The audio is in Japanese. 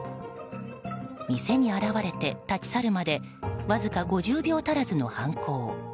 店に現れて立ち去るまでわずか５０秒足らずの犯行。